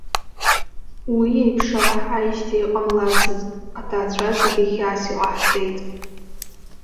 Уи еиԥш ара ҳааижьҭеи иҟамлацызт, аҭаацәа зегьы хьаас иҟаҳҵеит.